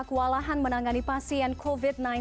kewalahan menangani pasien covid sembilan belas